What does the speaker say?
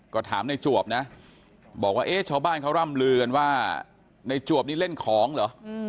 ก็ถามในจวบนะบอกว่าเอ๊ะชาวบ้านเขาร่ำลือกันว่าในจวบนี่เล่นของเหรอ